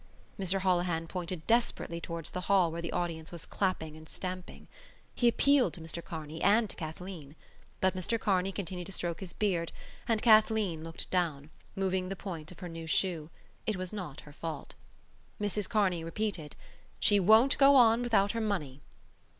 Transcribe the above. Mr Holohan pointed desperately towards the hall where the audience was clapping and stamping. He appealed to Mr Kearney and to Kathleen. But Mr Kearney continued to stroke his beard and Kathleen looked down, moving the point of her new shoe: it was not her fault. Mrs Kearney repeated: "She won't go on without her money."